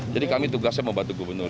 jadi kami tugasnya membantu gubernur